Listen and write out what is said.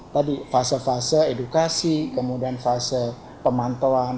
tadi fase fase edukasi kemudian fase pemantauan